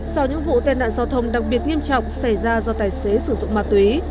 sau những vụ tai nạn giao thông đặc biệt nghiêm trọng xảy ra do tài xế sử dụng ma túy